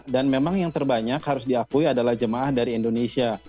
dan memang yang terbanyak harus diakui adalah jamaah dari indonesia